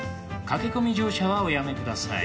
駆け込み乗車はおやめください。